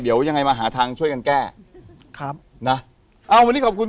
เดี๋ยวยังไงมาหาทางช่วยกันแก้ครับนะอ่าวันนี้ขอบคุณ